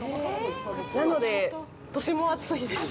なので、とても熱いですよ。